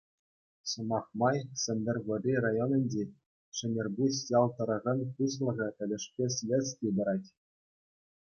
Сӑмах май, Сӗнтӗрвӑрри районӗнчи Шӗнерпуҫ ял тӑрӑхӗн пуҫлӑхӗ тӗлӗшпе следстви пырать.